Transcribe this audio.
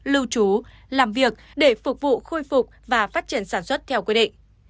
lưu trú làm việc để phục vụ khôi phục và phát triển sản xuất theo quy định